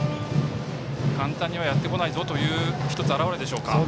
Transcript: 簡単にはやってこないぞという１つ、表れでしょうか。